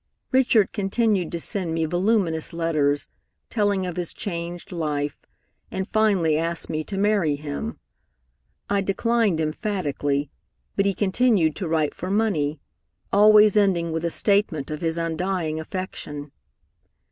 Richard continued to send me voluminous letters, telling of his changed life, and finally asked me to marry him. I declined emphatically, but he continued to write for money, always ending with a statement of his undying affection.